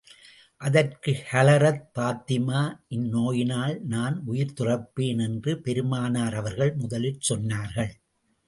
அதற்கு ஹலரத் பாத்திமா இந்நோயினால் நான் உயிர் துறப்பேன், என்று பெருமானார் அவர்கள் முதலில் சொன்னார்கள்.